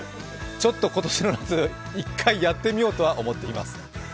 ちょっと今年の夏、１回やってみようとは思っています。